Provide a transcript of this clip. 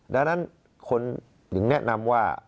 ดังนั้นคนถึงแนะนำว่า